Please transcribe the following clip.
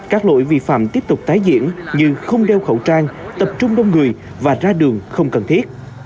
các lỗi vi phạm tiếp tục tái diễn như không đeo khẩu trang tập trung đông người và ra đường không cần thiết